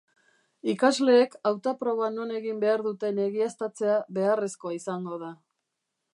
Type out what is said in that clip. Ikasleek hauta-proba non egin behar duten egiaztatzea beharrezkoa izango da.